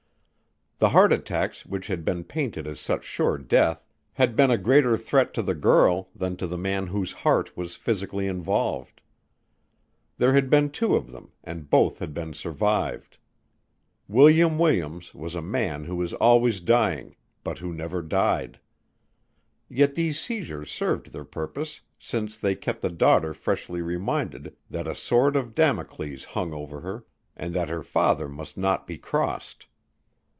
The heart attacks which had been painted as such sure death had been a greater threat to the girl than to the man whose heart was physically involved. There had been two of them and both had been survived. William Williams was a man who was always dying, but who never died. Yet these seizures served their purpose since they kept the daughter freshly reminded that a sword of Damocles hung over her and that her father must not be crossed.